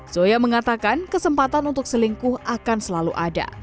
zoya mengatakan kesempatan untuk selingkuh akan selalu ada